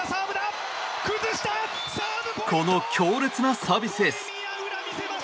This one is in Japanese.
この強烈なサービスエース！